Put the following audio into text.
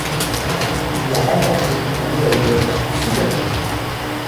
Il y a remporté la médaille d'or en super-G.